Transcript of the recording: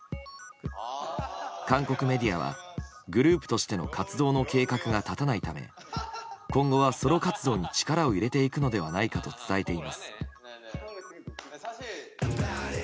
韓国メディアはグループとしての活動の計画が立たないため今後はソロ活動に力を入れていくのではないかと伝えています。